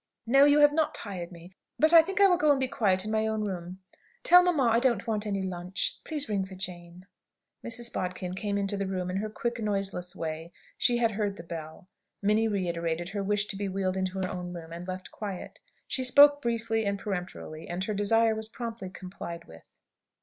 "No; you have not tired me. But I think I will go and be quiet in my own room. Tell mamma I don't want any lunch. Please ring for Jane." Mrs. Bodkin came into the room in her quick, noiseless way. She had heard the bell. Minnie reiterated her wish to be wheeled into her own room, and left quiet. She spoke briefly and peremptorily, and her desire was promptly complied with.